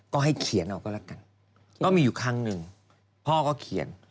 ก็ให้เขียนเอาก็แล้วกันก็มีอยู่ครั้งหนึ่งพ่อก็เขียน